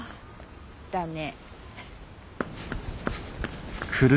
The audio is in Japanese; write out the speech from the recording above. だね。